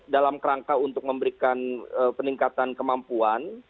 dalam kerangka untuk memberikan peningkatan kemampuan